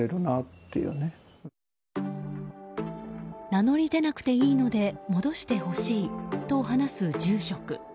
名乗り出なくていいので戻してほしいと話す住職。